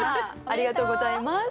ありがとうございます。